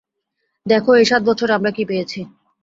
দেখ এই সাত বছরে আমরা কী পেয়েছি!